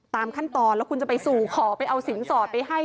ตามขั้นตอนแล้วคุณจะไปสู่ขอไปเอาสินสอดไปให้